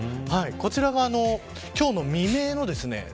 こちらが今日の未明のですね